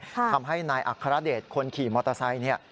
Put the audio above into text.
ทำให้นายอัครเดชน์คนขี่มอเตอร์ไซค์